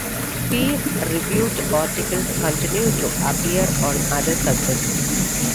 Peer reviewed articles continue to appear on other subjects.